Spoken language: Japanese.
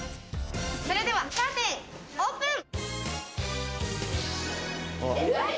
それではカーテンオープン！